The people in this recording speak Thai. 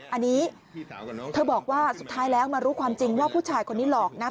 อันนี้เธอบอกว่าสุดท้ายแล้วมารู้ความจริงว่าผู้ชายคนนี้หลอกนะ